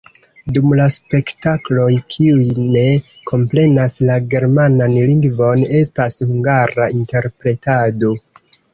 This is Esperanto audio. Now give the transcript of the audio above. Dum la spektakloj kiuj ne komprenas la germanan lingvon, estas hungara interpretado.